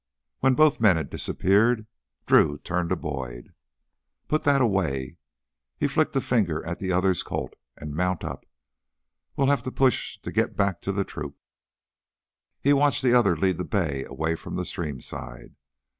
When both men had disappeared, Drew turned to Boyd. "Put that away " he flicked a finger at the other's Colt "and mount up. We'll have to push to get back to the troop." He watched the other lead the bay away from the stream side.